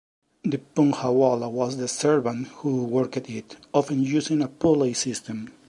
The punkhawallah was the servant who worked it, often using a pulley system.